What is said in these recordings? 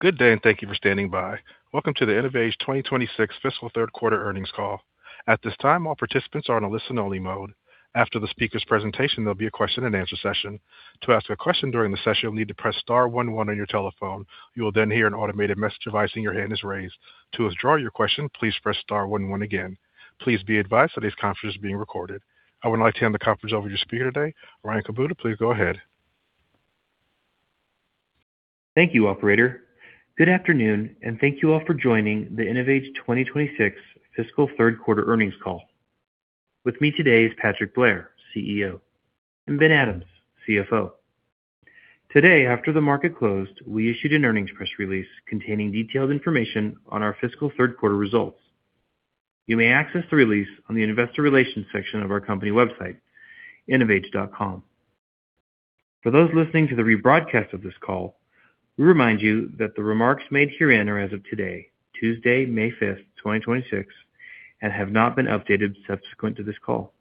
Good day, and thank you for standing by. Welcome to the InnovAge 2026 fiscal third quarter earnings call. At this time, all participants are on a listen-only mode. After the speaker's presentation, there'll be a question-and-answer session. To ask a question during the session, you'll need to press star one one on your telephone. You will then hear an automated message advising your hand is raised. To withdraw your question, please press star one one again. Please be advised that this conference is being recorded. I would now like to hand the conference over to your speaker today, Ryan Kubota. Please go ahead. Thank you, operator. Good afternoon, and thank you all for joining the InnovAge 2026 fiscal third quarter earnings call. With me today is Patrick Blair, CEO, and Ben Adams, CFO. Today, after the market closed, we issued an earnings press release containing detailed information on our fiscal third quarter results. You may access the release on the investor relations section of our company website, innovage.com. For those listening to the rebroadcast of this call, we remind you that the remarks made herein are as of today, Tuesday, 5th May 2026, and have not been updated subsequent to this call.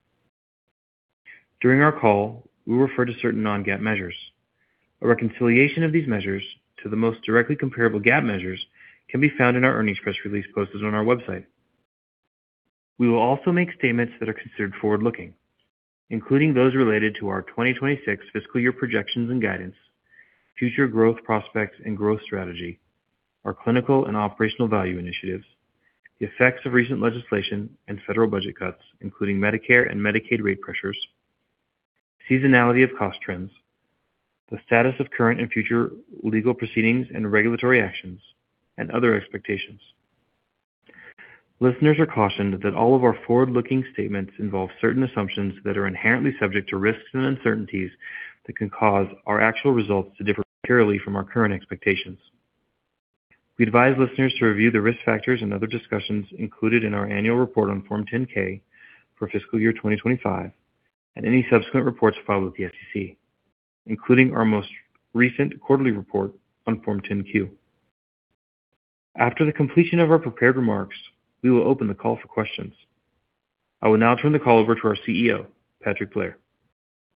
During our call, we refer to certain non-GAAP measures. A reconciliation of these measures to the most directly comparable GAAP measures can be found in our earnings press release posted on our website. We will also make statements that are considered forward-looking, including those related to our 2026 fiscal year projections and guidance, future growth prospects and growth strategy, our Clinical Value Initiatives and Operational Value Initiatives, the effects of recent legislation and federal budget cuts, including Medicare and Medicaid rate pressures, seasonality of cost trends, the status of current and future legal proceedings and regulatory actions, and other expectations. Listeners are cautioned that all of our forward-looking statements involve certain assumptions that are inherently subject to risks and uncertainties that can cause our actual results to differ materially from our current expectations. We advise listeners to review the risk factors and other discussions included in our annual report on Form 10-K for fiscal year 2025 and any subsequent reports filed with the SEC, including our most recent quarterly report on Form 10-Q. After the completion of our prepared remarks, we will open the call for questions. I will now turn the call over to our CEO, Patrick Blair.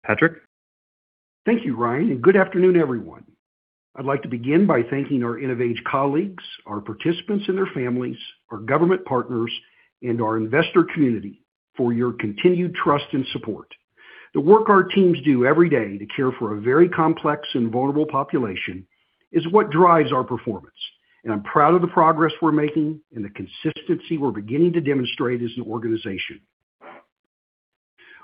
Patrick. Thank you, Ryan. Good afternoon, everyone. I'd like to begin by thanking our InnovAge colleagues, our participants and their families, our government partners, and our investor community for your continued trust and support. The work our teams do every day to care for a very complex and vulnerable population is what drives our performance, and I'm proud of the progress we're making and the consistency we're beginning to demonstrate as an organization.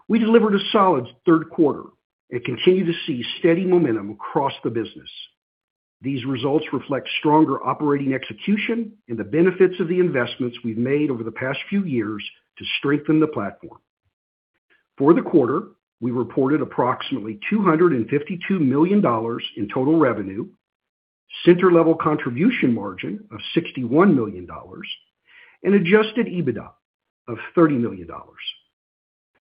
We delivered a solid third quarter and continue to see steady momentum across the business. These results reflect stronger operating execution and the benefits of the investments we've made over the past few years to strengthen the platform. For the quarter, we reported approximately $252 million in total revenue, center level contribution margin of $61 million, and adjusted EBITDA of $30 million.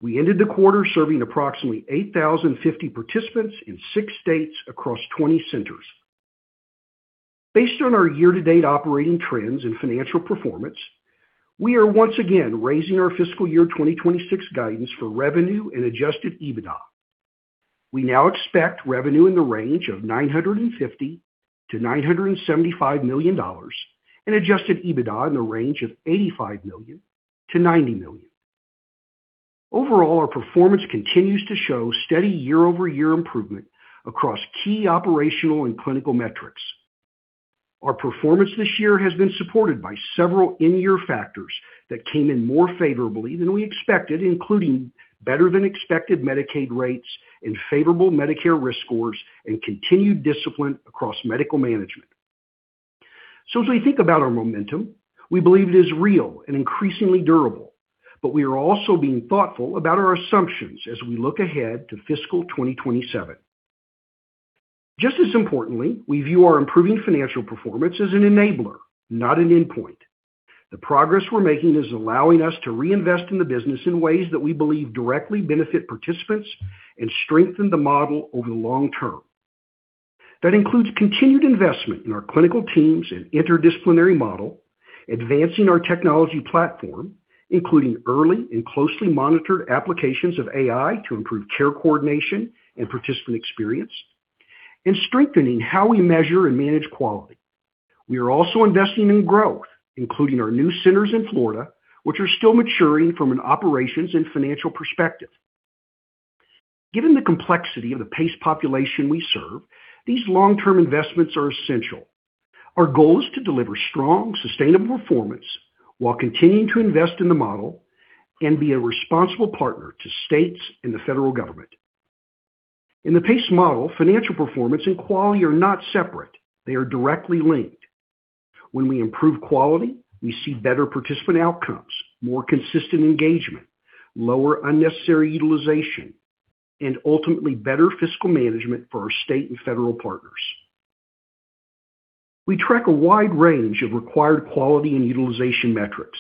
We ended the quarter serving approximately 8,050 participants in six states across 20 centers. Based on our year-to-date operating trends and financial performance, we are once again raising our fiscal year 2026 guidance for revenue and adjusted EBITDA. We now expect revenue in the range of $950 million-$975 million and adjusted EBITDA in the range of $85 million-$90 million. Overall, our performance continues to show steady year-over-year improvement across key operational and clinical metrics. Our performance this year has been supported by several in-year factors that came in more favorably than we expected, including better than expected Medicaid rates and favorable Medicare risk scores and continued discipline across medical management. As we think about our momentum, we believe it is real and increasingly durable, but we are also being thoughtful about our assumptions as we look ahead to fiscal 2027. As importantly, we view our improving financial performance as an enabler, not an endpoint. The progress we're making is allowing us to reinvest in the business in ways that we believe directly benefit participants and strengthen the model over the long term. That includes continued investment in our clinical teams and interdisciplinary model, advancing our technology platform, including early and closely monitored applications of AI to improve care coordination and participant experience, and strengthening how we measure and manage quality. We are also investing in growth, including our new centers in Florida, which are still maturing from an operations and financial perspective. Given the complexity of the PACE population we serve, these long-term investments are essential. Our goal is to deliver strong, sustainable performance while continuing to invest in the model and be a responsible partner to states and the federal government. In the PACE model, financial performance and quality are not separate. They are directly linked. When we improve quality, we see better participant outcomes, more consistent engagement, lower unnecessary utilization, and ultimately better fiscal management for our state and federal partners. We track a wide range of required quality and utilization metrics,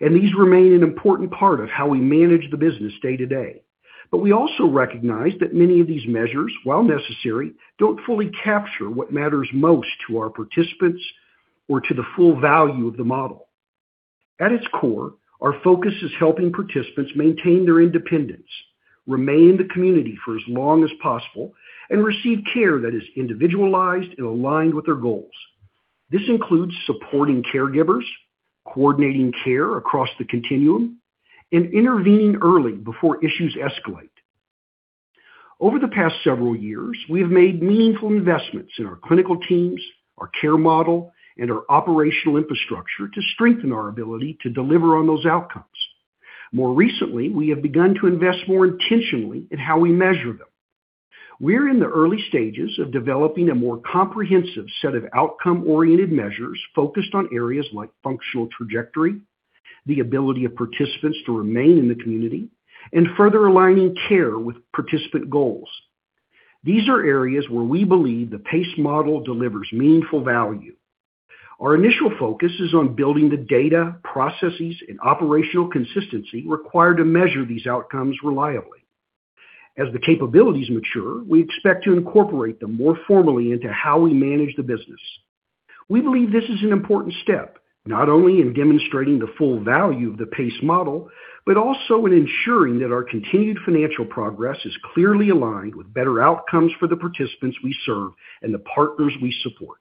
and these remain an important part of how we manage the business day to day. We also recognize that many of these measures, while necessary, don't fully capture what matters most to our participants or to the full value of the model. At its core, our focus is helping participants maintain their independence, remain in the community for as long as possible, and receive care that is individualized and aligned with their goals. This includes supporting caregivers, coordinating care across the continuum, and intervening early before issues escalate. Over the past several years, we have made meaningful investments in our clinical teams, our care model, and our operational infrastructure to strengthen our ability to deliver on those outcomes. More recently, we have begun to invest more intentionally in how we measure them. We're in the early stages of developing a more comprehensive set of outcome-oriented measures focused on areas like functional trajectory, the ability of participants to remain in the community, and further aligning care with participant goals. These are areas where we believe the PACE model delivers meaningful value. Our initial focus is on building the data, processes, and operational consistency required to measure these outcomes reliably. As the capabilities mature, we expect to incorporate them more formally into how we manage the business. We believe this is an important step, not only in demonstrating the full value of the PACE model, but also in ensuring that our continued financial progress is clearly aligned with better outcomes for the participants we serve and the partners we support.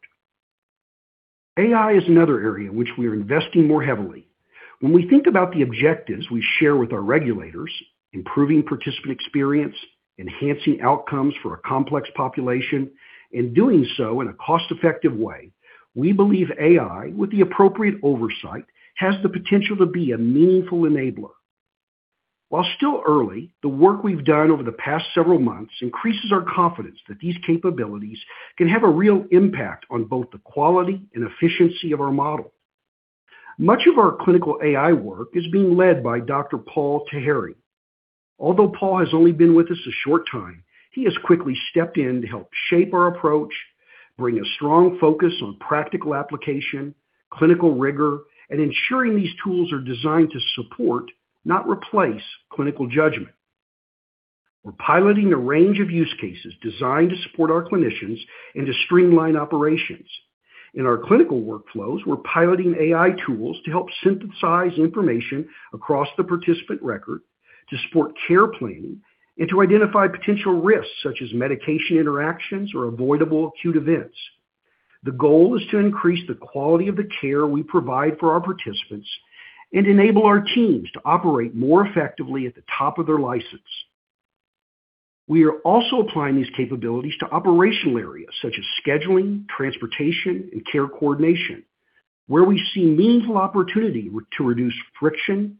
AI is another area in which we are investing more heavily. When we think about the objectives we share with our regulators, improving participant experience, enhancing outcomes for a complex population, and doing so in a cost-effective way, we believe AI, with the appropriate oversight, has the potential to be a meaningful enabler. While still early, the work we've done over the past several months increases our confidence that these capabilities can have a real impact on both the quality and efficiency of our model. Much of our clinical AI work is being led by Dr. Paul Taheri. Although Paul has only been with us a short time, he has quickly stepped in to help shape our approach, bring a strong focus on practical application, clinical rigor, and ensuring these tools are designed to support, not replace, clinical judgment. We're piloting a range of use cases designed to support our clinicians and to streamline operations. In our clinical workflows, we're piloting AI tools to help synthesize information across the participant record to support care planning and to identify potential risks, such as medication interactions or avoidable acute events. The goal is to increase the quality of the care we provide for our participants and enable our teams to operate more effectively at the top of their license. We are also applying these capabilities to operational areas such as scheduling, transportation, and care coordination, where we see meaningful opportunity to reduce friction,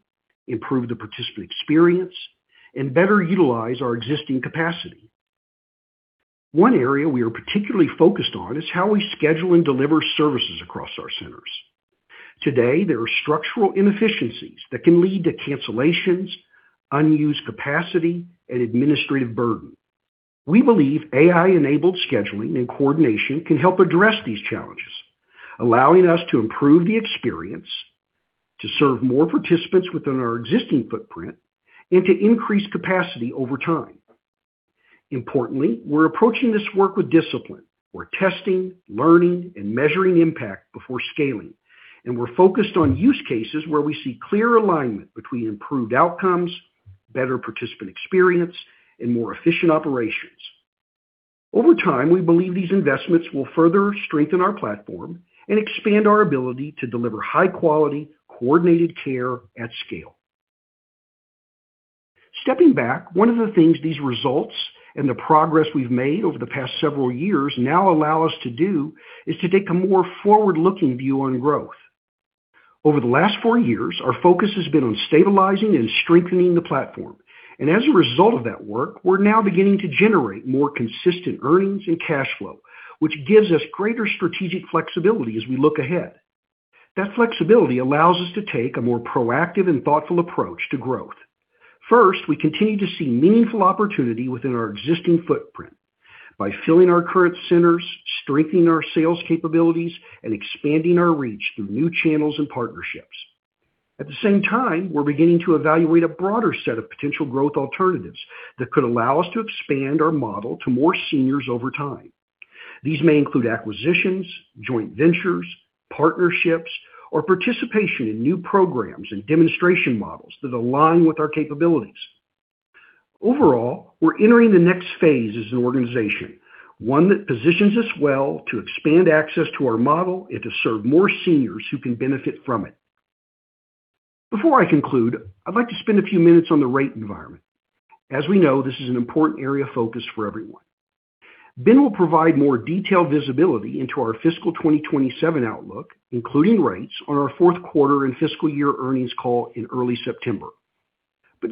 improve the participant experience, and better utilize our existing capacity. One area we are particularly focused on is how we schedule and deliver services across our centers. Today, there are structural inefficiencies that can lead to cancellations, unused capacity, and administrative burden. We believe AI-enabled scheduling and coordination can help address these challenges, allowing us to improve the experience, to serve more participants within our existing footprint, and to increase capacity over time. Importantly, we're approaching this work with discipline. We're testing, learning, and measuring impact before scaling, and we're focused on use cases where we see clear alignment between improved outcomes, better participant experience, and more efficient operations. Over time, we believe these investments will further strengthen our platform and expand our ability to deliver high-quality, coordinated care at scale. Stepping back, one of the things these results and the progress we've made over the past several years now allow us to do is to take a more forward-looking view on growth. Over the last four years, our focus has been on stabilizing and strengthening the platform, and as a result of that work, we're now beginning to generate more consistent earnings and cash flow, which gives us greater strategic flexibility as we look ahead. That flexibility allows us to take a more proactive and thoughtful approach to growth. First, we continue to see meaningful opportunity within our existing footprint by filling our current centers, strengthening our sales capabilities, and expanding our reach through new channels and partnerships. At the same time, we're beginning to evaluate a broader set of potential growth alternatives that could allow us to expand our model to more seniors over time. These may include acquisitions, joint ventures, partnerships, or participation in new programs and demonstration models that align with our capabilities. Overall, we're entering the next phase as an organization, one that positions us well to expand access to our model and to serve more seniors who can benefit from it. Before I conclude, I'd like to spend a few minutes on the rate environment. As we know, this is an important area of focus for everyone. Ben will provide more detailed visibility into our fiscal 2027 outlook, including rates, on our fourth quarter and fiscal year earnings call in early September.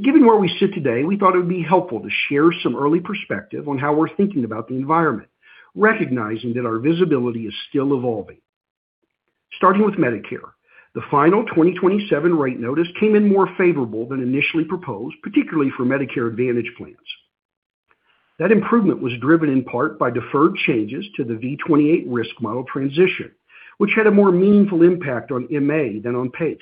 Given where we sit today, we thought it would be helpful to share some early perspective on how we're thinking about the environment, recognizing that our visibility is still evolving. Starting with Medicare, the final 2027 rate notice came in more favorable than initially proposed, particularly for Medicare Advantage plans. That improvement was driven in part by deferred changes to the V28 risk model transition, which had a more meaningful impact on MA than on PACE.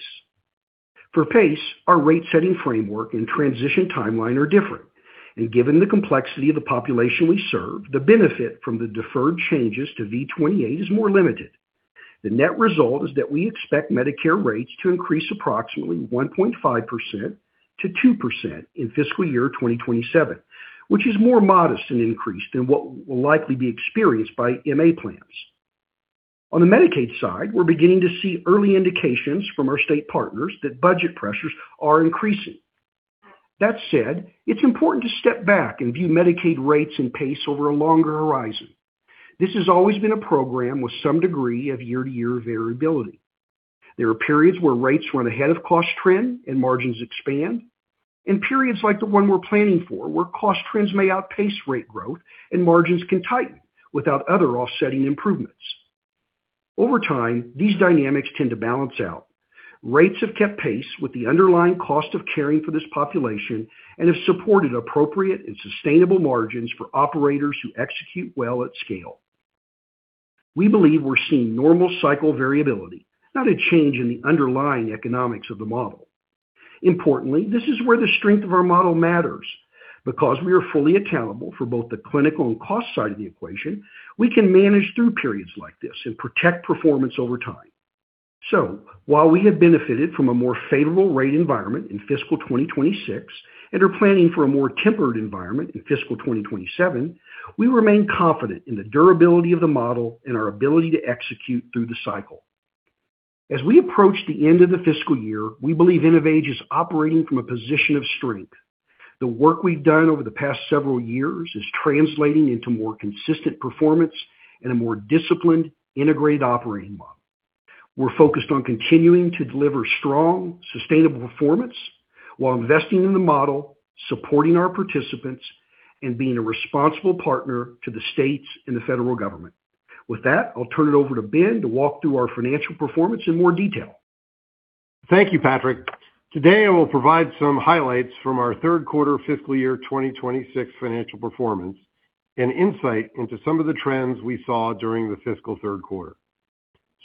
For PACE, our rate-setting framework and transition timeline are different. Given the complexity of the population we serve, the benefit from the deferred changes to V28 is more limited. The net result is that we expect Medicare rates to increase approximately 1.5%-2% in fiscal year 2027, which is more modest an increase than what will likely be experienced by MA plans. On the Medicaid side, we're beginning to see early indications from our state partners that budget pressures are increasing. That said, it's important to step back and view Medicaid rates and PACE over a longer horizon. This has always been a program with some degree of year-to-year variability. There are periods where rates run ahead of cost trend and margins expand, and periods like the one we're planning for, where cost trends may outpace rate growth and margins can tighten without other offsetting improvements. Over time, these dynamics tend to balance out. Rates have kept pace with the underlying cost of caring for this population and have supported appropriate and sustainable margins for operators who execute well at scale. We believe we're seeing normal cycle variability, not a change in the underlying economics of the model. Importantly, this is where the strength of our model matters. Because we are fully accountable for both the clinical and cost side of the equation, we can manage through periods like this and protect performance over time. While we have benefited from a more favorable rate environment in fiscal 2026 and are planning for a more tempered environment in fiscal 2027, we remain confident in the durability of the model and our ability to execute through the cycle. As we approach the end of the fiscal year, we believe InnovAge is operating from a position of strength. The work we've done over the past several years is translating into more consistent performance and a more disciplined, integrated operating model. We're focused on continuing to deliver strong, sustainable performance while investing in the model, supporting our participants, and being a responsible partner to the states and the federal government. With that, I'll turn it over to Ben to walk through our financial performance in more detail. Thank you, Patrick. Today, I will provide some highlights from our third quarter fiscal year 2026 financial performance and insight into some of the trends we saw during the fiscal third quarter.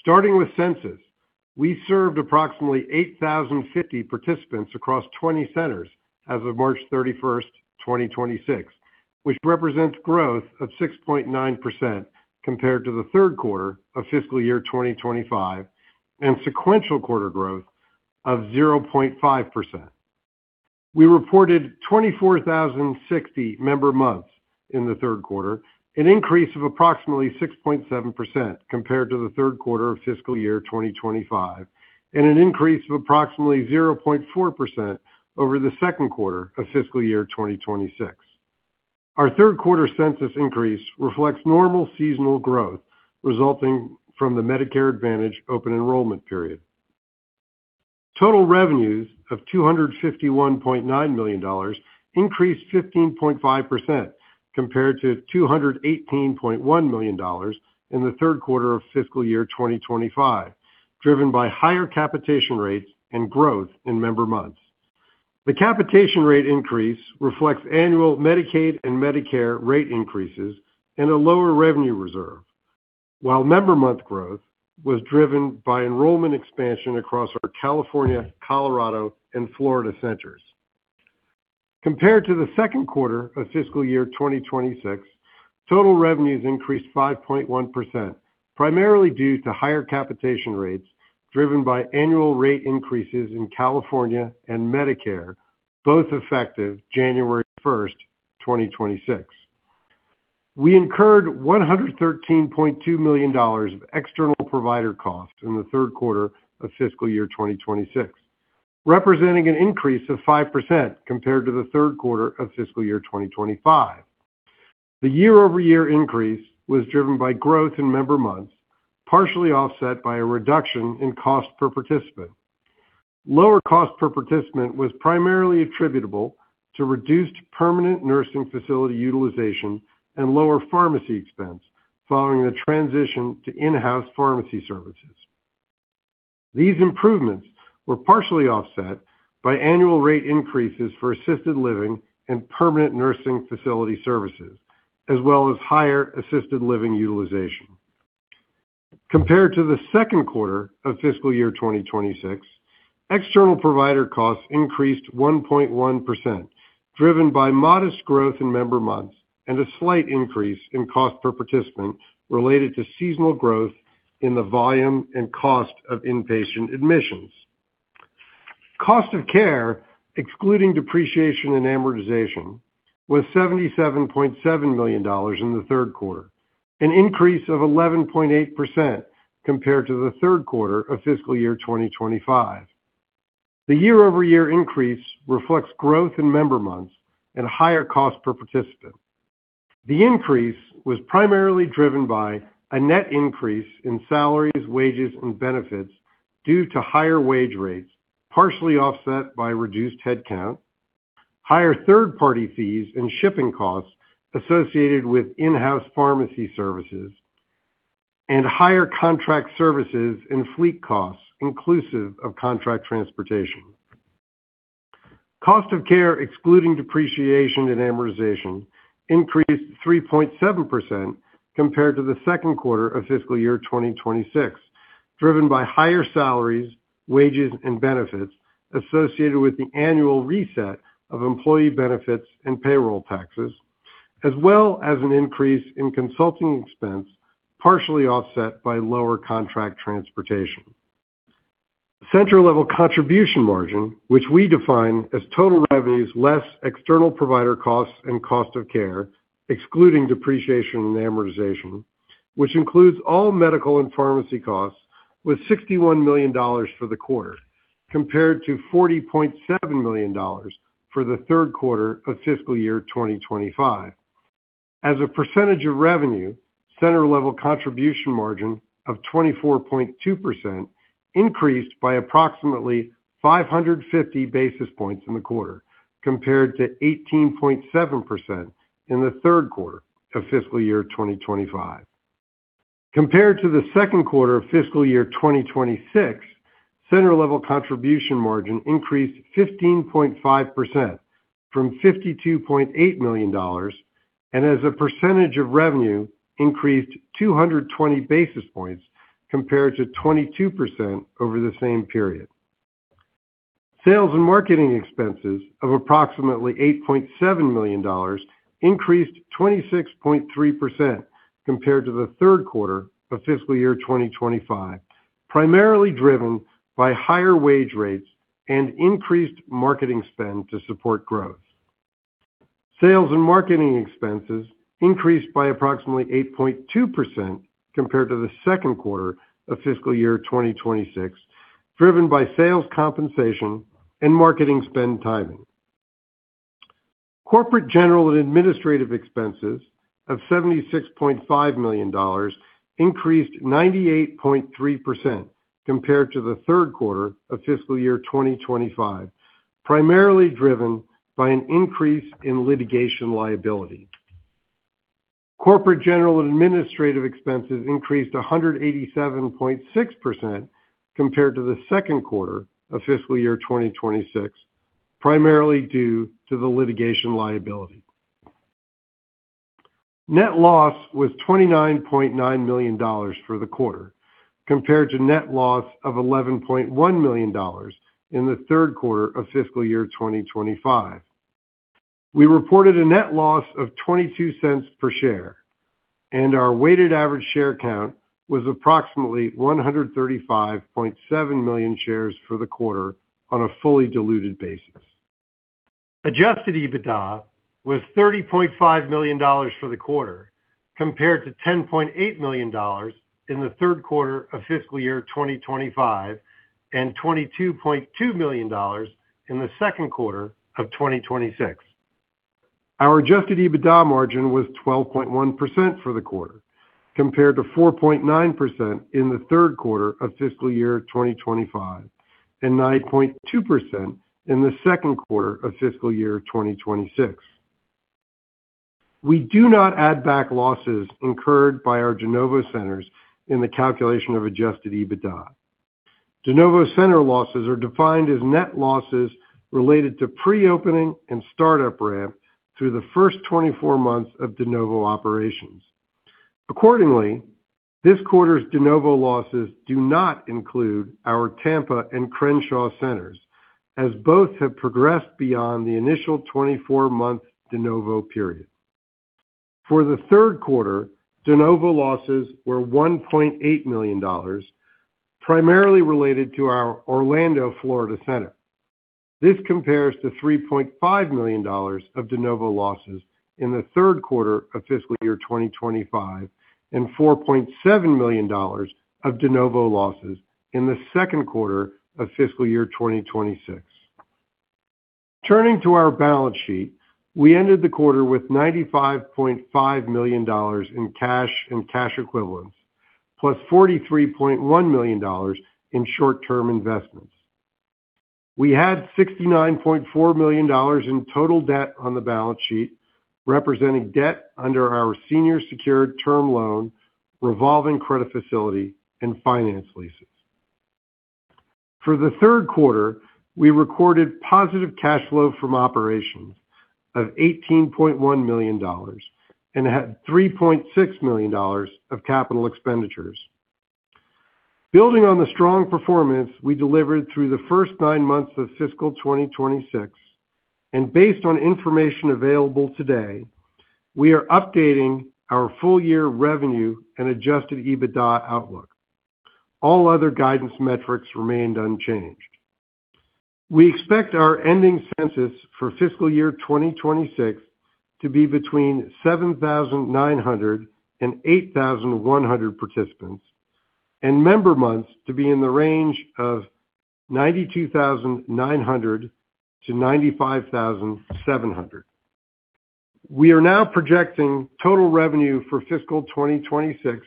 Starting with census, we served approximately 8,050 participants across 20 centers as of 31st March 2026, which represents growth of 6.9% compared to the third quarter of fiscal year 2025, and sequential quarter growth of 0.5%. We reported 24,060 member months in the third quarter, an increase of approximately 6.7% compared to the third quarter of fiscal year 2025, and an increase of approximately 0.4% over the second quarter of fiscal year 2026. Our third quarter census increase reflects normal seasonal growth resulting from the Medicare Advantage open enrollment period. Total revenues of $251.9 million increased 15.5% compared to $218.1 million in the third quarter of fiscal year 2025, driven by higher capitation rates and growth in member months. The capitation rate increase reflects annual Medicaid and Medicare rate increases and a lower revenue reserve. While member month growth was driven by enrollment expansion across our California, Colorado, and Florida centers. Compared to the second quarter of fiscal year 2026, total revenues increased 5.1%, primarily due to higher capitation rates driven by annual rate increases in California and Medicare, both effective 1st January 2026. We incurred $113.2 million of external provider costs in the third quarter of fiscal year 2026, representing an increase of 5% compared to the third quarter of fiscal year 2025. The year-over-year increase was driven by growth in member months, partially offset by a reduction in cost per participant. Lower cost per participant was primarily attributable to reduced permanent nursing facility utilization and lower pharmacy expense following a transition to in-house pharmacy services. These improvements were partially offset by annual rate increases for assisted living and permanent nursing facility services, as well as higher assisted living utilization. Compared to the 2nd quarter of fiscal year 2026, external provider costs increased 1.1%, driven by modest growth in member months and a slight increase in cost per participant related to seasonal growth in the volume and cost of inpatient admissions. Cost of care, excluding depreciation and amortization, was $77.7 million in the 3rd quarter, an increase of 11.8% compared to the 3rd quarter of fiscal year 2025. The year-over-year increase reflects growth in member months and higher cost per participant. The increase was primarily driven by a net increase in salaries, wages, and benefits due to higher wage rates, partially offset by reduced headcount, higher third-party fees and shipping costs associated with in-house pharmacy services, and higher contract services and fleet costs inclusive of contract transportation. Cost of care, excluding depreciation and amortization, increased 3.7% compared to the second quarter of FY 2026. Driven by higher salaries, wages, and benefits associated with the annual reset of employee benefits and payroll taxes, as well as an increase in consulting expense, partially offset by lower contract transportation. Center-level contribution margin, which we define as total revenues less external provider costs and cost of care, excluding depreciation and amortization, which includes all medical and pharmacy costs, was $61 million for the quarter, compared to $40.7 million for the third quarter of FY 2025. As a percentage of revenue, center-level contribution margin of 24.2% increased by approximately 550 basis points in the quarter compared to 18.7% in the third quarter of FY 2025. Compared to the second quarter of fiscal year 2026, center level contribution margin increased 15.5% from $52.8 million, and as a percentage of revenue, increased 220 basis points compared to 22% over the same period. Sales and marketing expenses of approximately $8.7 million increased 26.3% compared to the third quarter of fiscal year 2025, primarily driven by higher wage rates and increased marketing spend to support growth. Sales and marketing expenses increased by approximately 8.2% compared to the second quarter of fiscal year 2026, driven by sales compensation and marketing spend timing. Corporate general and administrative expenses of $76.5 million increased 98.3% compared to the third quarter of fiscal year 2025, primarily driven by an increase in litigation liability. Corporate general and administrative expenses increased 187.6% compared to the second quarter of FY 2026, primarily due to the litigation liability. Net loss was $29.9 million for the quarter compared to net loss of $11.1 million in the third quarter of FY 2025. We reported a net loss of $0.22 per share, and our weighted average share count was approximately 135.7 million shares for the quarter on a fully diluted basis. Adjusted EBITDA was $30.5 million for the quarter compared to $10.8 million in the third quarter of FY 2025 and $22.2 million in the second quarter of 2026. Our adjusted EBITDA margin was 12.1% for the quarter compared to 4.9% in the third quarter of FY 2025 and 9.2% in the second quarter of FY 2026. We do not add back losses incurred by our de novo centers in the calculation of adjusted EBITDA. De novo center losses are defined as net losses related to pre-opening and startup ramp through the first 24 months of de novo operations. Accordingly, this quarter's de novo losses do not include our Tampa and Crenshaw centers, as both have progressed beyond the initial 24 month de novo period. For the third quarter, de novo losses were $1.8 million, primarily related to our Orlando, Florida center. This compares to $3.5 million of de novo losses in the third quarter of fiscal year 2025 and $4.7 million of de novo losses in the second quarter of fiscal year 2026. Turning to our balance sheet, we ended the quarter with $95.5 million in cash and cash equivalents, plus $43.1 million in short-term investments. We had $69.4 million in total debt on the balance sheet, representing debt under our senior secured term loan, revolving credit facility, and finance leases. For the third quarter, we recorded positive cash flow from operations of $18.1 million and had $3.6 million of capital expenditures. Building on the strong performance we delivered through the first nine months of fiscal 2026, and based on information available today, we are updating our full year revenue and adjusted EBITDA outlook. All other guidance metrics remained unchanged. We expect our ending census for fiscal year 2026 to be between 7,900 and 8,100 participants and member months to be in the range of $92,900-$95,700. We are now projecting total revenue for fiscal 2026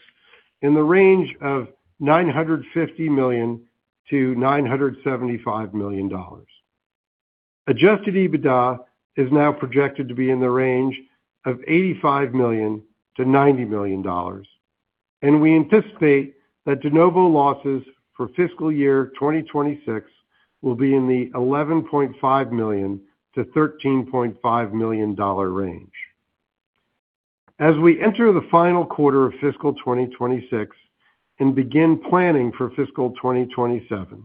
in the range of $950 million-$975 million. Adjusted EBITDA is now projected to be in the range of $85 million-$90 million. We anticipate that de novo losses for fiscal year 2026 will be in the $11.5 million-$13.5 million range. As we enter the final quarter of fiscal 2026 and begin planning for fiscal 2027,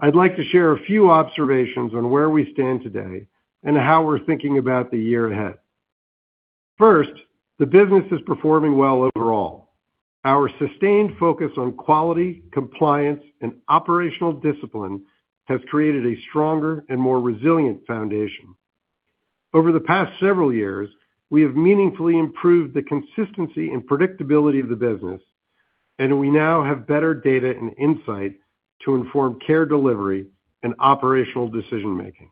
I'd like to share a few observations on where we stand today and how we're thinking about the year ahead. First, the business is performing well overall. Our sustained focus on quality, compliance, and operational discipline has created a stronger and more resilient foundation. Over the past several years, we have meaningfully improved the consistency and predictability of the business, and we now have better data and insight to inform care delivery and operational decision-making.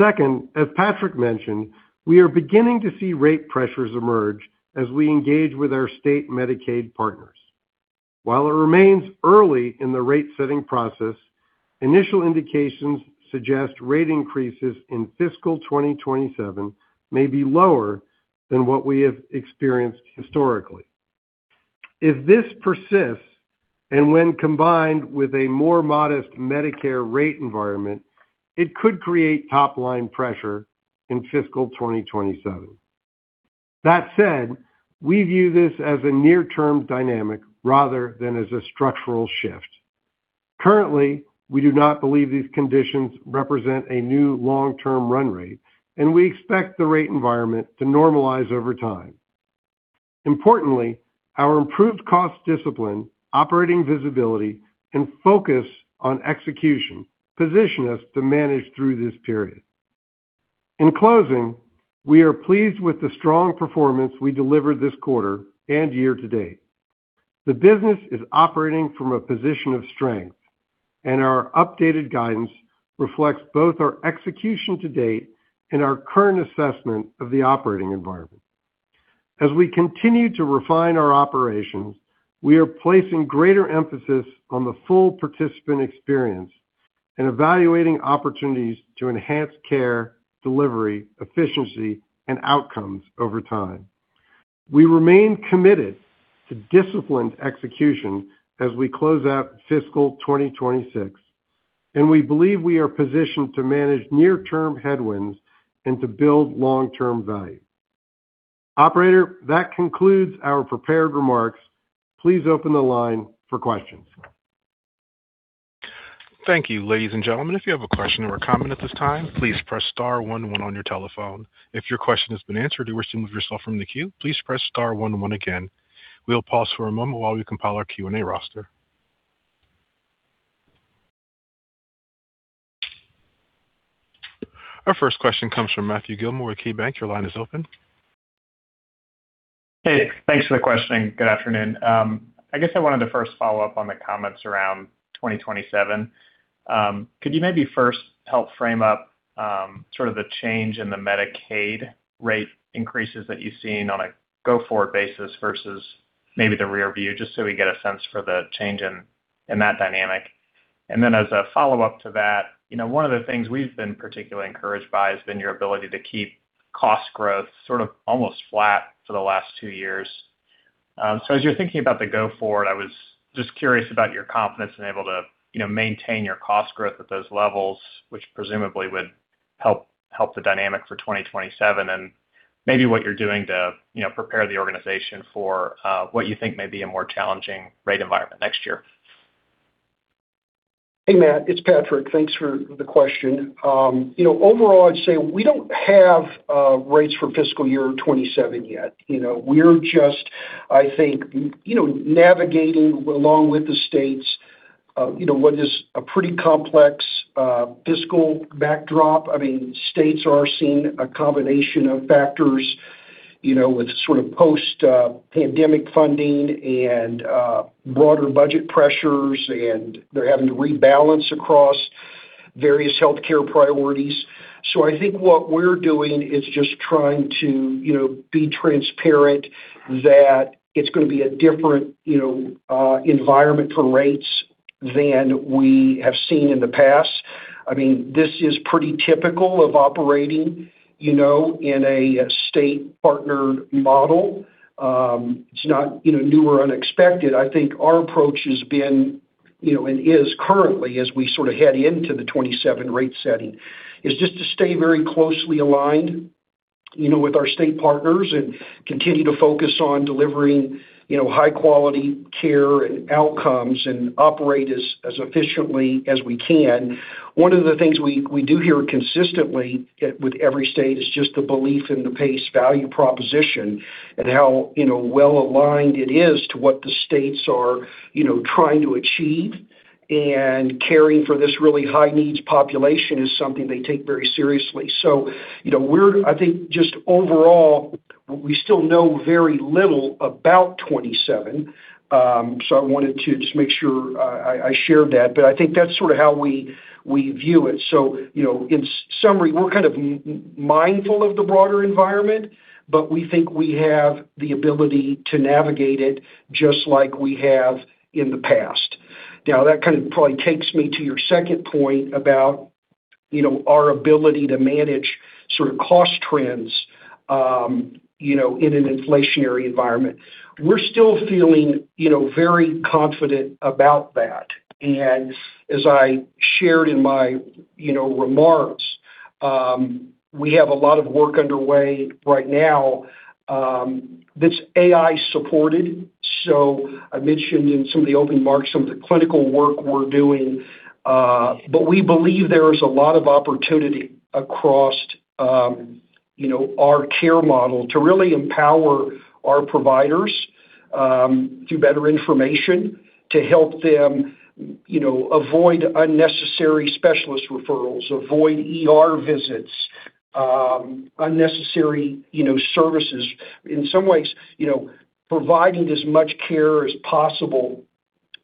Second, as Patrick mentioned, we are beginning to see rate pressures emerge as we engage with our state Medicaid partners. While it remains early in the rate-setting process, initial indications suggest rate increases in fiscal 2027 may be lower than what we have experienced historically. If this persists, and when combined with a more modest Medicare rate environment, it could create top-line pressure in fiscal 2027. That said, we view this as a near-term dynamic rather than as a structural shift. Currently, we do not believe these conditions represent a new long-term run rate, and we expect the rate environment to normalize over time. Importantly, our improved cost discipline, operating visibility, and focus on execution position us to manage through this period. In closing, we are pleased with the strong performance we delivered this quarter and year to date. The business is operating from a position of strength, and our updated guidance reflects both our execution to date and our current assessment of the operating environment. As we continue to refine our operations, we are placing greater emphasis on the full participant experience and evaluating opportunities to enhance care, delivery, efficiency, and outcomes over time. We remain committed to disciplined execution as we close out fiscal 2026. We believe we are positioned to manage near-term headwinds and to build long-term value. Operator, that concludes our prepared remarks. Please open the line for questions. Thank you. Ladies and gentlemen, if you have a question or a comment at this time, please press star one one on your telephone. If your question has been answered or wish to remove yourself from the queue, please press star one one again. We'll pause for a moment while we compile our Q&A roster. Our first question comes from Matthew Gillmor with KeyBanc. Your line is open. Hey, thanks for the question. Good afternoon. I guess I wanted to first follow up on the comments around 2027. Could you maybe first help frame up sort of the change in the Medicaid rate increases that you've seen on a go-forward basis versus maybe the rear view, just so we get a sense for the change in that dynamic. As a follow-up to that, you know, one of the things we've been particularly encouraged by has been your ability to keep cost growth sort of almost flat for the last two years. As you're thinking about the go forward, I was just curious about your confidence in able to, you know, maintain your cost growth at those levels, which presumably would help the dynamic for 2027, and maybe what you're doing to, you know, prepare the organization for what you think may be a more challenging rate environment next year. Hey, Matt Huray, it's Patrick. Thanks for the question. You know, overall, I'd say we don't have rates for fiscal year 2027 yet. You know, we're just, I think, you know, navigating along with the states, you know, what is a pretty complex fiscal backdrop. I mean, states are seeing a combination of factors, you know, with sort of post pandemic funding and broader budget pressures, and they're having to rebalance across various healthcare priorities. I think what we're doing is just trying to, you know, be transparent that it's gonna be a different, you know, environment for rates than we have seen in the past. I mean, this is pretty typical of operating, you know, in a state partnered model. It's not, you know, new or unexpected. I think our approach has been, you know, and is currently, as we sort of head into the 2027 rate setting, is just to stay very closely aligned, you know, with our state partners and continue to focus on delivering, you know, high quality care and outcomes and operate as efficiently as we can. One of the things we do hear consistently with every state is just the belief in the PACE value proposition and how, you know, well-aligned it is to what the states are, you know, trying to achieve. Caring for this really high needs population is something they take very seriously. You know, I think just overall, we still know very little about 2027. I wanted to just make sure I shared that, but I think that's sort of how we view it. You know, in summary, we're kind of mindful of the broader environment, but we think we have the ability to navigate it just like we have in the past. That kind of probably takes me to your second point about, you know, our ability to manage sort of cost trends, you know, in an inflationary environment. We're still feeling, you know, very confident about that. As I shared in my remarks. We have a lot of work underway right now that's AI supported. I mentioned in some of the opening remarks some of the clinical work we're doing. But we believe there is a lot of opportunity across, you know, our care model to really empower our providers through better information to help them, you know, avoid unnecessary specialist referrals, avoid ER visits, unnecessary, you know, services. In some ways, you know, providing as much care as possible,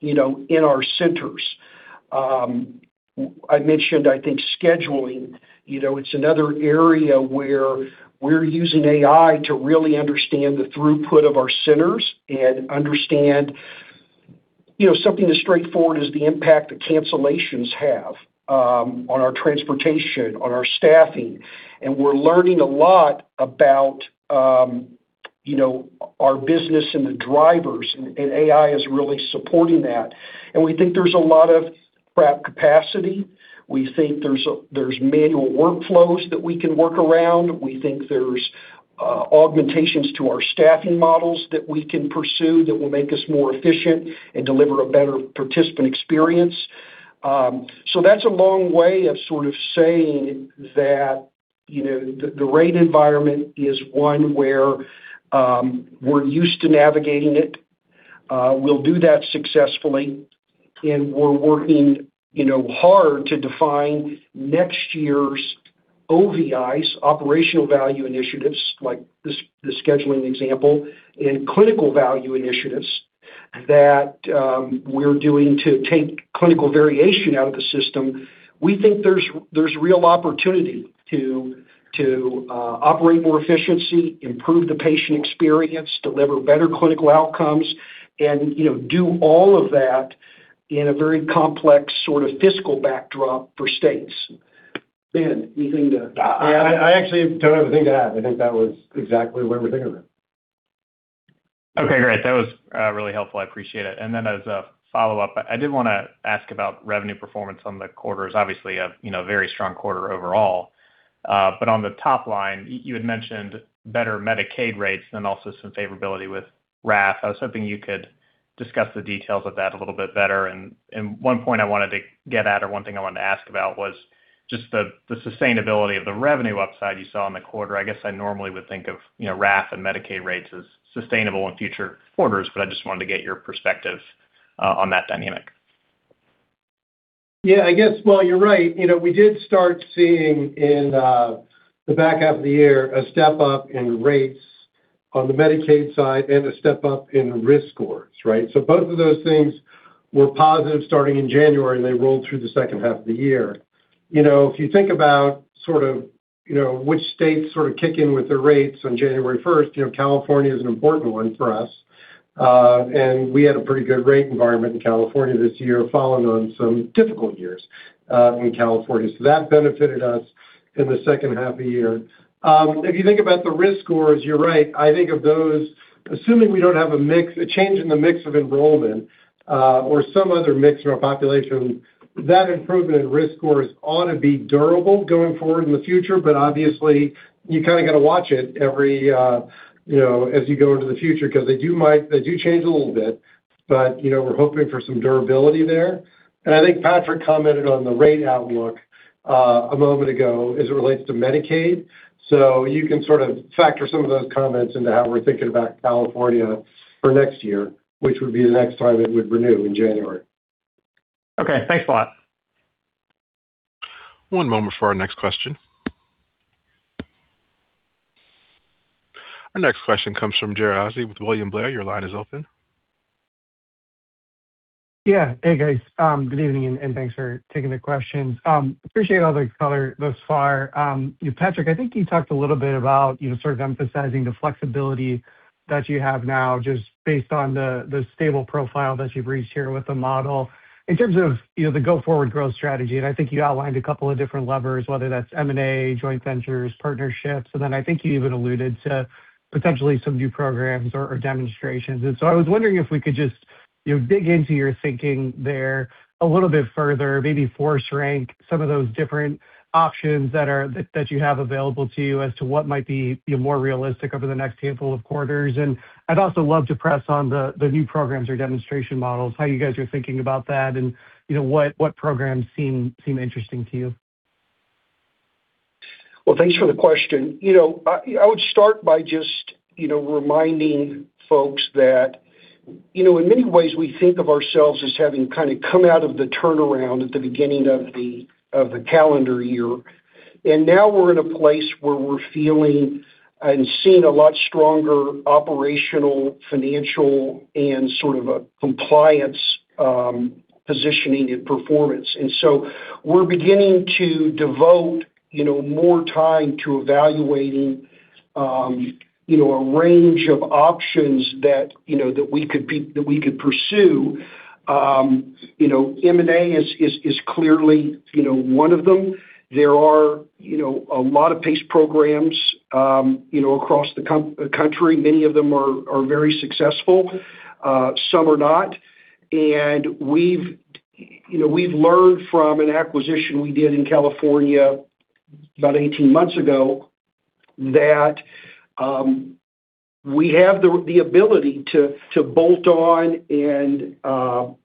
you know, in our centers. I mentioned, I think, scheduling. You know, it's another area where we're using AI to really understand the throughput of our centers and understand, you know, something as straightforward as the impact that cancellations have on our transportation, on our staffing. We're learning a lot about, you know, our business and the drivers, and AI is really supporting that. We think there's a lot of craft capacity. We think there's manual workflows that we can work around. We think there's augmentations to our staffing models that we can pursue that will make us more efficient and deliver a better participant experience. So that's a long way of sort of saying that, you know, the rate environment is one where we're used to navigating it. We'll do that successfully. We're working, you know, hard to define next year's OVIs, operational value initiatives, like this, the scheduling example, and clinical value initiatives that we're doing to take clinical variation out of the system. We think there's real opportunity to operate more efficiency, improve the patient experience, deliver better clinical outcomes, and, you know, do all of that in a very complex sort of fiscal backdrop for states. Ben, anything to add? I actually don't have a thing to add. I think that was exactly what we're thinking of. Okay, great. That was really helpful. I appreciate it. As a follow-up, I did want to ask about revenue performance on the quarters, obviously a, you know, very strong quarter overall. On the top line, you had mentioned better Medicaid rates and also some favorability with RAF. I was hoping you could discuss the details of that a little bit better. One point I wanted to get at, or one thing I wanted to ask about was just the sustainability of the revenue upside you saw in the quarter. I guess I normally would think of, you know, RAF and Medicaid rates as sustainable in future quarters, but I just wanted to get your perspective on that dynamic. Well, you're right. We did start seeing in the back half of the year a step up in rates on the Medicaid side and a step up in risk scores, right? Both of those things were positive starting in January, and they rolled through the second half of the year. If you think about sort of which states sort of kick in with the rates on January 1st, California is an important one for us. We had a pretty good rate environment in California this year following on some difficult years in California. That benefited us in the second half of the year. If you think about the risk scores, you're right. I think of those, assuming we don't have a mix, a change in the mix of enrollment, or some other mix in our population, that improvement in risk scores ought to be durable going forward in the future. Obviously, you kinda gotta watch it every, you know, as you go into the future 'cause they do change a little bit. You know, we're hoping for some durability there. I think Patrick commented on the rate outlook a moment ago as it relates to Medicaid. You can sort of factor some of those comments into how we're thinking about California for next year, which would be the next time it would renew in January. Okay. Thanks a lot. One moment for our next question. Our next question comes from Jared Haase with William Blair. Your line is open. Yeah. Hey, guys. Good evening, and thanks for taking the questions. Appreciate all the color thus far. Patrick, I think you talked a little bit about, you know, sort of emphasizing the flexibility that you have now just based on the stable profile that you've reached here with the model. In terms of, you know, the go-forward growth strategy, and I think you outlined a couple of different levers, whether that's M&A, joint ventures, partnerships. I think you even alluded to potentially some new programs or demonstrations. I was wondering if we could just, you know, dig into your thinking there a little bit further, maybe force rank some of those different options that you have available to you as to what might be, you know, more realistic over the next handful of quarters. I'd also love to press on the new programs or demonstration models, how you guys are thinking about that, and, you know, what programs seem interesting to you. Well, thanks for the question. You know, I would start by just, you know, reminding folks that, you know, in many ways, we think of ourselves as having kinda come out of the turnaround at the beginning of the calendar year. Now we're in a place where we're feeling and seeing a lot stronger operational, financial, and sort of a compliance positioning and performance. So we're beginning to devote, you know, more time to evaluating, you know, a range of options that, you know, that we could pursue. You know, M&A is clearly, you know, one of them. There are, you know, a lot of PACE programs, you know, across the country. Many of them are very successful, some are not. We've, you know, we've learned from an acquisition we did in California about 18 months ago that we have the ability to bolt on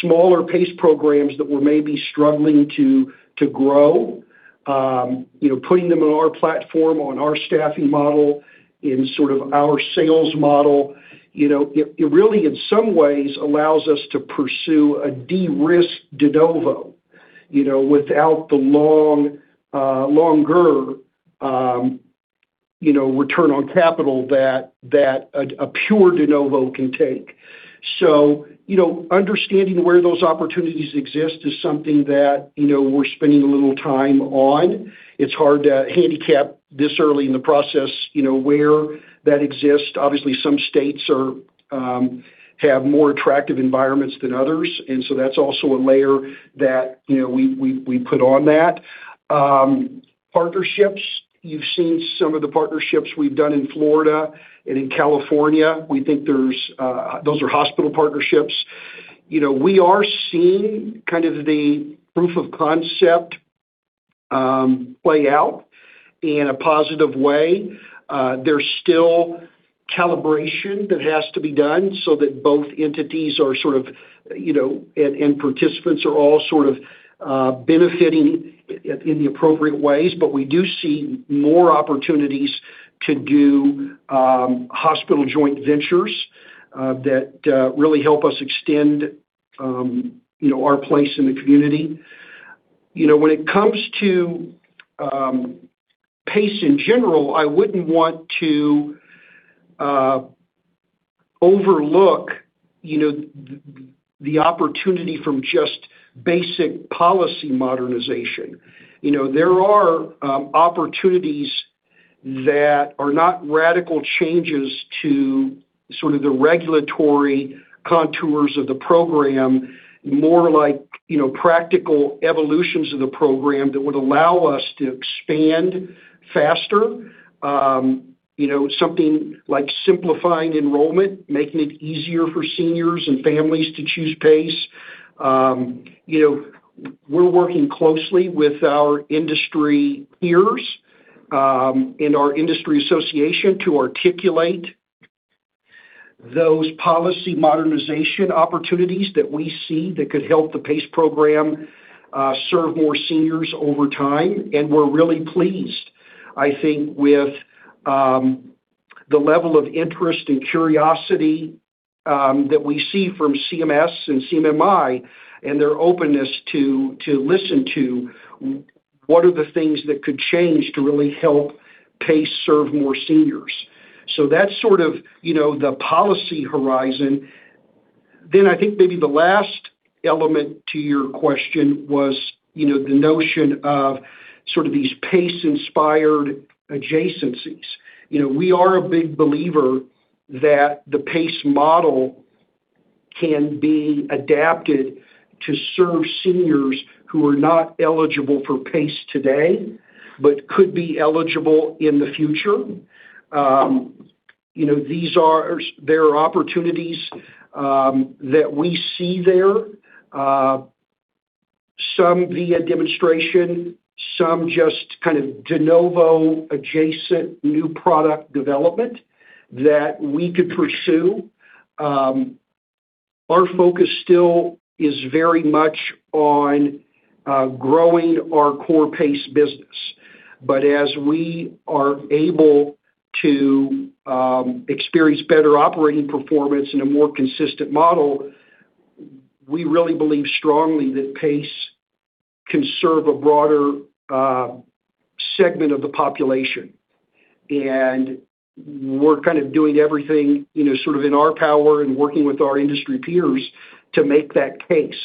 smaller PACE programs that were maybe struggling to grow. You know, putting them on our platform, on our staffing model, in sort of our sales model, you know, it really in some ways allows us to pursue a de-risk de novo, you know, without the long, longer, you know, return on capital that a pure de novo can take. You know, understanding where those opportunities exist is something that, you know, we're spending a little time on. It's hard to handicap this early in the process, you know, where that exists. Obviously, some states are have more attractive environments than others, that's also a layer that, you know, we put on that. Partnerships. You've seen some of the partnerships we've done in Florida and in California. We think there's those are hospital partnerships. You know, we are seeing kind of the proof of concept play out in a positive way. There's still calibration that has to be done so that both entities are sort of, you know, and participants are all sort of benefiting in the appropriate ways. We do see more opportunities to do hospital joint ventures that really help us extend, you know, our place in the community. You know, when it comes to PACE in general, I wouldn't want to overlook, you know, the opportunity from just basic policy modernization. You know, there are opportunities that are not radical changes to sort of the regulatory contours of the program. More like, you know, practical evolutions of the program that would allow us to expand faster. You know, we're working closely with our industry peers and our industry association to articulate those policy modernization opportunities that we see that could help the PACE program serve more seniors over time. We're really pleased, I think, with the level of interest and curiosity that we see from CMS and CMMI and their openness to listen to what are the things that could change to really help PACE serve more seniors. That's sort of, you know, the policy horizon. I think maybe the last element to your question was, you know, the notion of sort of these PACE-inspired adjacencies. You know, we are a big believer that the PACE model can be adapted to serve seniors who are not eligible for PACE today but could be eligible in the future. You know, there are opportunities that we see there, some via demonstration, some just kind of de novo adjacent new product development that we could pursue. Our focus still is very much on growing our core PACE business. As we are able to experience better operating performance in a more consistent model, we really believe strongly that PACE can serve a broader segment of the population. We're kind of doing everything, you know, sort of in our power and working with our industry peers to make that case.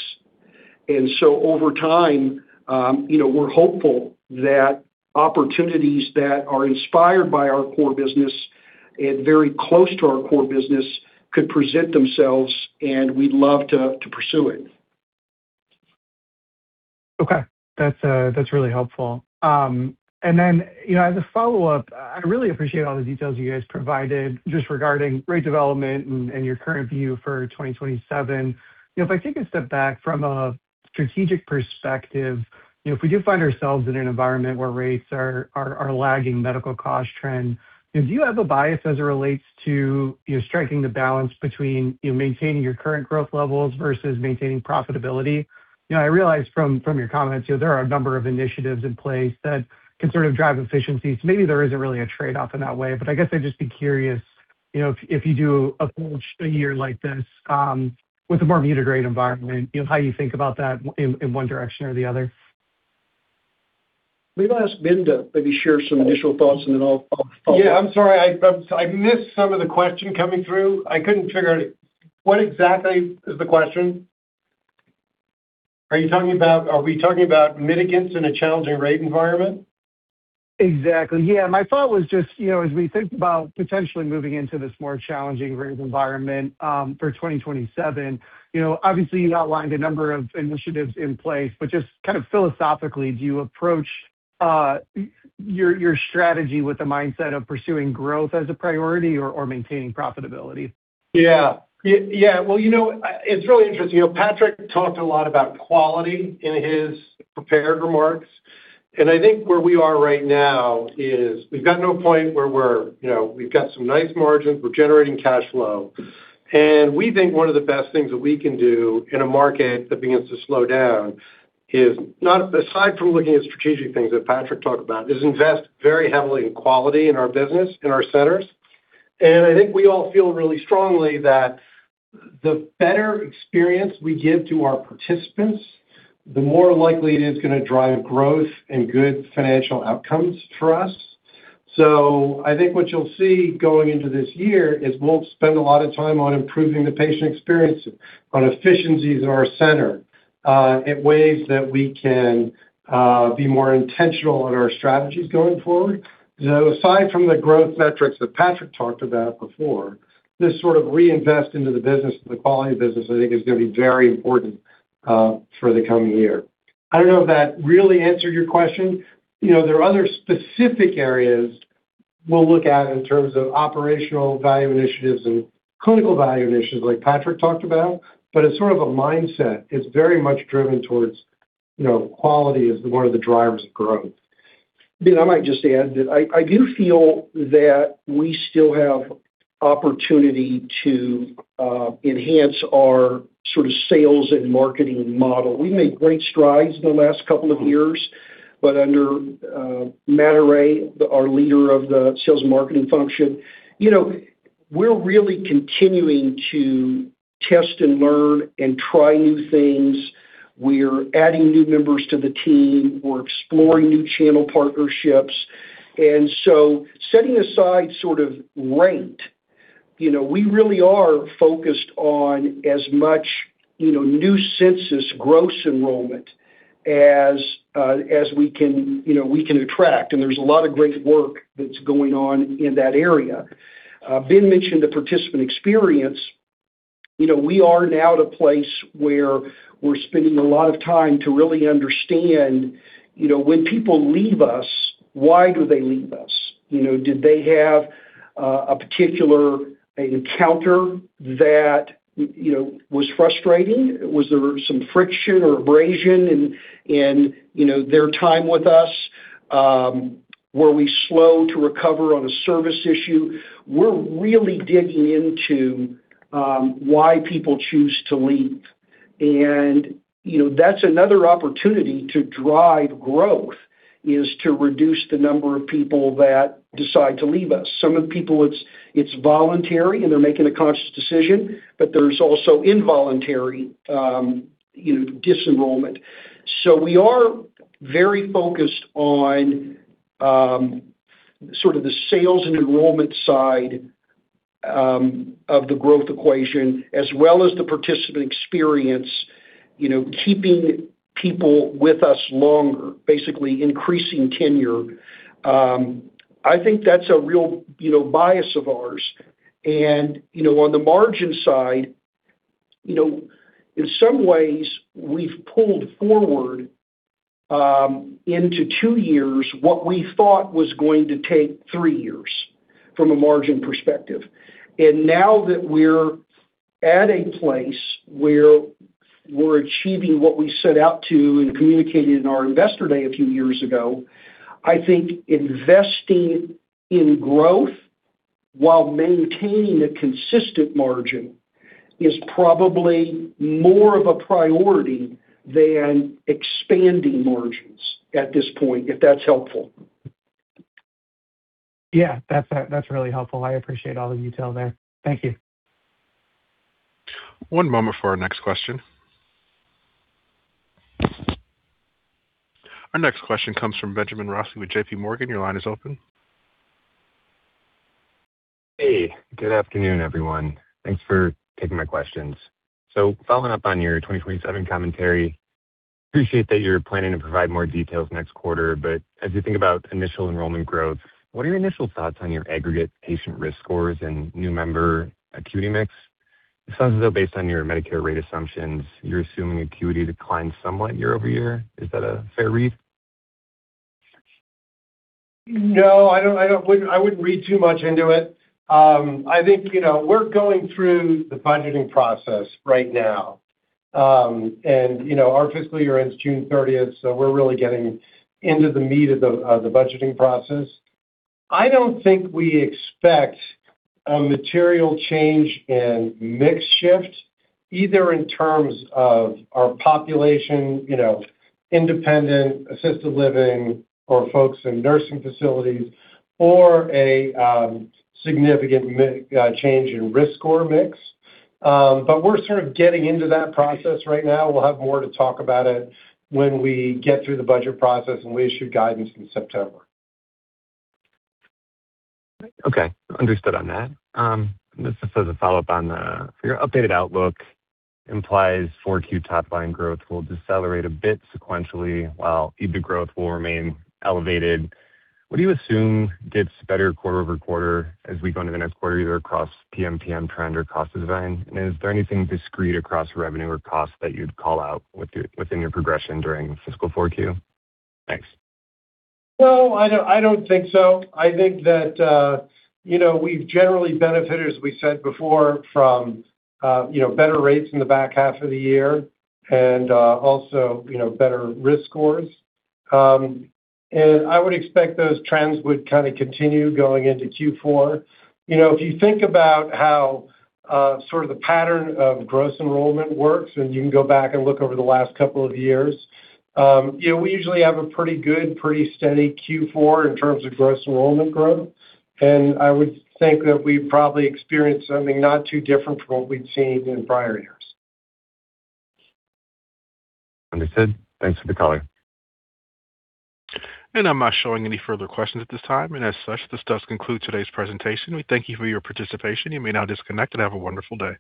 Over time, you know, we're hopeful that opportunities that are inspired by our core business and very close to our core business could present themselves, and we'd love to pursue it. Okay. That's really helpful. Then, you know, as a follow-up, I really appreciate all the details you guys provided just regarding rate development and your current view for 2027. You know, if I take a step back from a strategic perspective, you know, if we do find ourselves in an environment where rates are lagging medical cost trend, do you have a bias as it relates to, you know, striking the balance between, you know, maintaining your current growth levels versus maintaining profitability? You know, I realize from your comments, you know, there are a number of initiatives in place that can sort of drive efficiencies. Maybe there isn't really a trade-off in that way, but I guess I'd just be curious, you know, if you do approach a year like this, with a more integrated environment, you know, how you think about that in one direction or the other. Maybe I'll ask Ben to maybe share some initial thoughts, and then I'll follow up. Yeah, I'm sorry. I missed some of the question coming through. I couldn't figure out what exactly is the question. Are we talking about mitigants in a challenging rate environment? Exactly. Yeah, my thought was just, you know, as we think about potentially moving into this more challenging rate environment, for 2027, you know, obviously, you outlined a number of initiatives in place, but just kind of philosophically, do you approach your strategy with the mindset of pursuing growth as a priority or maintaining profitability? Yeah. Well, you know, it's really interesting. You know, Patrick talked a lot about quality in his prepared remarks, and I think where we are right now is we've gotten to a point where we've got some nice margins, we're generating cash flow. We think one of the best things that we can do in a market that begins to slow down is not aside from looking at strategic things that Patrick talked about, is invest very heavily in quality in our business, in our centers. I think we all feel really strongly that the better experience we give to our participants, the more likely it is gonna drive growth and good financial outcomes for us. I think what you'll see going into this year is we'll spend a lot of time on improving the patient experience, on efficiencies in our center, in ways that we can be more intentional on our strategies going forward. Aside from the growth metrics that Patrick talked about before, this sort of reinvest into the business, the quality of the business, I think is gonna be very important for the coming year. I don't know if that really answered your question. You know, there are other specific areas we'll look at in terms of Operational Value Initiatives and Clinical Value Initiatives like Patrick talked about, but it's sort of a mindset. It's very much driven towards, you know, quality is one of the drivers of growth. Ben, I might just add that I do feel that we still have opportunity to enhance our sort of sales and marketing model. We made great strides in the last couple of years, but under Matt Huray, our leader of the sales and marketing function, you know, we're really continuing to test and learn and try new things. We're adding new members to the team. We're exploring new channel partnerships. Setting aside sort of rate, you know, we really are focused on as much, you know, new census gross enrollment as we can, you know, we can attract, and there's a lot of great work that's going on in that area. Ben mentioned the participant experience. You know, we are now at a place where we're spending a lot of time to really understand, you know, when people leave us, why do they leave us? You know, did they have a particular encounter that, you know, was frustrating? Was there some friction or abrasion in, you know, their time with us? Were we slow to recover on a service issue? We're really digging into why people choose to leave. You know, that's another opportunity to drive growth, is to reduce the number of people that decide to leave us. Some of the people, it's voluntary, and they're making a conscious decision, but there's also involuntary, you know, dis-enrollment. We are very focused on sort of the sales and enrollment side of the growth equation as well as the participant experience, you know, keeping people with us longer, basically increasing tenure. I think that's a real, you know, bias of ours. On the margin side, you know, in some ways, we've pulled forward into two years what we thought was going to take three years from a margin perspective. Now that we're at a place where we're achieving what we set out to and communicated in our investor day a few years ago, I think investing in growth while maintaining a consistent margin is probably more of a priority than expanding margins at this point, if that's helpful. Yeah. That's really helpful. I appreciate all the detail there. Thank you. One moment for our next question. Our next question comes from Benjamin Rossi with J.P. Morgan. Your line is open. Hey. Good afternoon, everyone. Thanks for taking my questions. Following up on your 2027 commentary, appreciate that you're planning to provide more details next quarter, but as you think about initial enrollment growth, what are your initial thoughts on your aggregate patient risk scores and new member acuity mix? It sounds as though based on your Medicare rate assumptions, you're assuming acuity declines somewhat year-over-year. Is that a fair read? No, I don't, I wouldn't read too much into it. I think, you know, we're going through the budgeting process right now. You know, our fiscal year ends June thirtieth, so we're really getting into the meat of the budgeting process. I don't think we expect a material change in mix shift, either in terms of our population, you know, independent, assisted living, or folks in nursing facilities, or a significant change in risk score mix. We're sort of getting into that process right now. We'll have more to talk about it when we get through the budget process and we issue guidance in September. Okay. Understood on that. This is just a follow-up on your updated outlook implies four Q top line growth will decelerate a bit sequentially while EBITDA growth will remain elevated. What do you assume gets better quarter-over-quarter as we go into the next quarter, either across PMPM trend or cost design? Is there anything discrete across revenue or cost that you'd call out within your progression during fiscal four Q? Thanks. No, I don't, I don't think so. I think that, you know, we've generally benefited, as we said before, from, you know, better rates in the back half of the year and, also, you know, better risk scores. I would expect those trends would kinda continue going into Q4. You know, if you think about how, sort of the pattern of gross enrollment works, and you can go back and look over the last couple of years, you know, we usually have a pretty good, pretty steady Q4 in terms of gross enrollment growth. I would think that we probably experience something not too different from what we'd seen in prior years. Understood. Thanks for the color. I'm not showing any further questions at this time. As such, this does conclude today's presentation. We thank you for your participation. You may now disconnect and have a wonderful day.